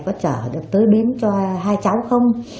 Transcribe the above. có trở được tới đến cho hai cháu không